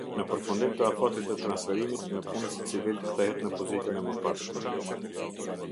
Në përfundim të afatit të transferimit, nëpunësi civil kthehet në pozitën e mëparshme.